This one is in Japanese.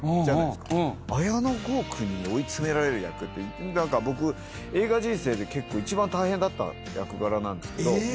綾野剛君に追い詰められる役って何か僕映画人生で結構一番大変だった役柄なんですけど。